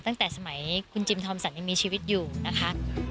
ตั้งแต่สมัยคุณจิมทอมสันยังมีชีวิตอยู่นะคะ